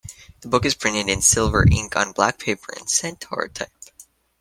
The book is printed in silver ink on black paper in Centaur type.